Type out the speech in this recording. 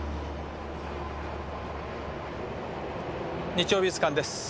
「日曜美術館」です。